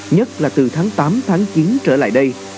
nhất là từ tháng tám tháng chín trở lại đây